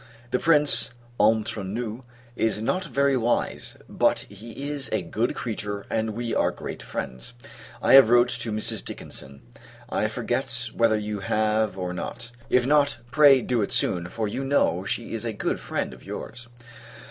The Prince, entre nous, is not very wise; but he is a good creature and we are great friends. I have wrote to Mrs. Dickinson. I forget whether you have, or not: if not, pray do it soon; for, you know, she is a good friend of your's.